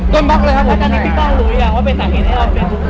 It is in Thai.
โดนบล็อกเลยครับผมแล้วตอนนี้พี่กล้องรู้ยังว่าเป็นสาเหตุให้เราไปเฟซบุ๊ค